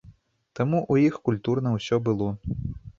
Там у іх культурна ўсё было.